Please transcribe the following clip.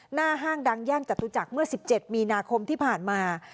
ห้างดังย่านจตุจักรเมื่อ๑๗มีนาคมที่ผ่านมา